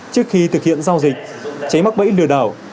trước khi thực hiện giao dịch cháy mắc bẫy lừa đảo của các đối tượng